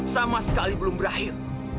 sama sekali belum berakhir